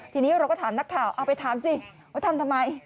ทีนี้เราก็ถามนักข่าวเอาไปถามสิว่าทำทำไม